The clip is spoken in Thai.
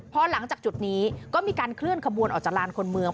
พอหลังจากจุดนี้ก็มีการเคลื่อนขบวนออกจากลานคนเมือง